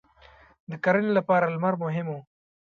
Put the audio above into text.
• د کرنې لپاره لمر مهم و.